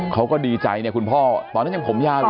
เขาก็ดีใจเนี่ยคุณพ่อตอนนั้นยังผมยาวอยู่